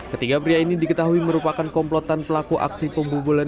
ketiga pria ini diketahui merupakan komplotan pelaku aksi pembobolan